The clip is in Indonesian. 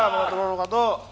si neng kemana